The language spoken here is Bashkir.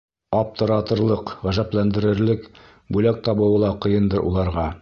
Аптыратырлыҡ, ғәжәпләндерерлек бүләк табыуы ла ҡыйындыр уларға.